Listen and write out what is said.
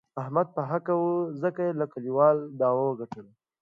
احمد په حقه و، ځکه یې له کلیوالو داوه و ګټله.